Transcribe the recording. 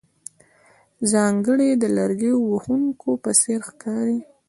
ځانګړی د لرګیو وهونکو په څېر ښکارې.